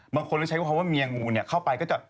บางคนก็ใช้คำว่าเมียงูเนี่ยเข้าไปก็จะ